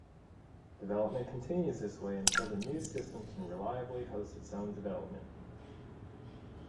Development continues this way until the new system can reliably host its own development.